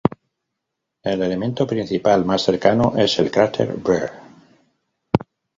El elemento principal más cercano es el cráter Byrd.